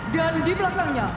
dan di belakangnya